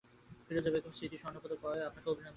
ফিরোজা বেগম স্মৃতি স্বর্ণপদক পাওয়ায় আপনাকে অভিনন্দন।